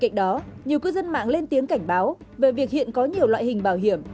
cạnh đó nhiều cư dân mạng lên tiếng cảnh báo về việc hiện có nhiều loại hình bảo hiểm